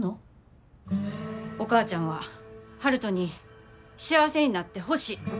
お母ちゃんは悠人に幸せになってほしい。